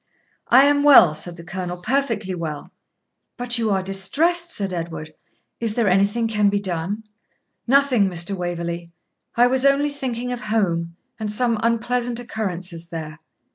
'I am well,' said the Colonel, 'perfectly well.' 'But you are distressed,' said Edward; 'is there anything can be done?' 'Nothing, Mr. Waverley; I was only thinking of home, and some unpleasant occurrences there.'